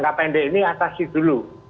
kita harus mengatasi dulu